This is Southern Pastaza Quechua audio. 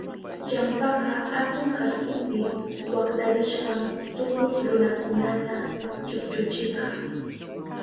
Ilampaka atun kaspipi waktarishpan tukuy runakunata chukchuchirka.